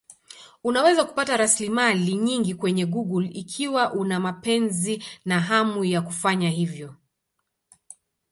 Unaweza kupata rasilimali nyingi kwenye Google ikiwa una mapenzi na hamu ya kufanya hivyo.